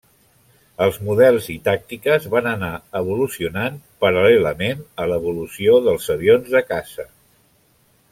Els models i tàctiques van anar evolucionant al paral·lelament a l'evolució dels avions de caça.